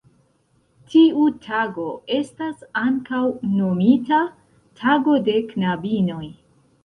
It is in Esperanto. Tiu tago estas ankaŭ nomita "tago de knabinoj".